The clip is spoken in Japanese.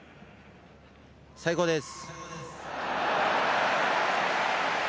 最高です。